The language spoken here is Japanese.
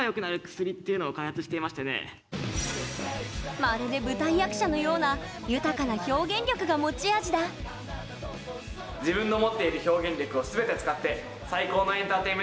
まるで舞台役者のような豊かな表現力が持ち味だ強そうだな２人とも。